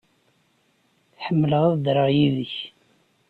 Ḥemmleɣ ad ddreɣ yid-k.